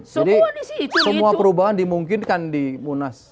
jadi semua perubahan dimungkinkan di munas